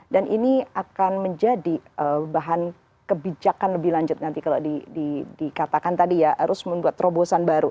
dan ini akan menjadi bahan kebijakan lebih lanjut nanti kalau dikatakan tadi ya harus membuat terobosan baru